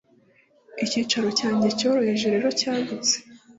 icyicaro cyanjye cyoroheje rero cyagutse